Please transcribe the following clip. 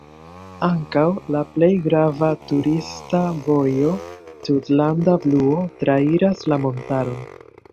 Ankaŭ la plej grava turista vojo „tutlanda bluo” trairas la montaron.